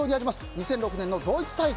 ２００６年のドイツ大会